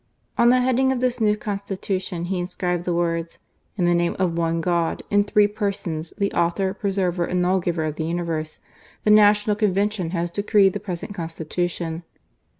213 On the heading of his new Constitution he inscribed the words :" In the name of one God, in Three Persons, the Author, Preserver, and Law giver of the Universe, the National Convention has decreed the present Constitution."